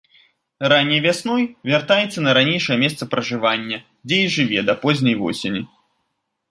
Ранняй вясной вяртаецца на ранейшае месца пражывання, дзе і жыве да позняй восені.